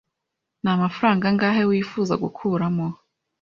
Ni amafaranga angahe wifuza gukuramo?